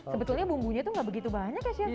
sebetulnya bumbunya tuh gak begitu banyak ya chefnya